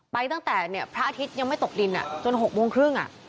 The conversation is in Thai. ตั้งแต่พระอาทิตย์ยังไม่ตกดินจน๖โมงครึ่ง